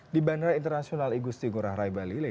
di bandara internasional igusti ngurah rai bali